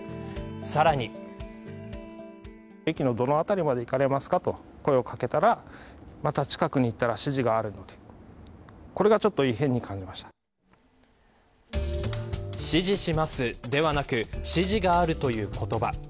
さらに。指示します、ではなく指示があるという言葉。